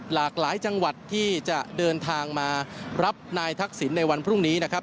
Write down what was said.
หลากหลายจังหวัดที่จะเดินทางมารับนายทักษิณในวันพรุ่งนี้นะครับ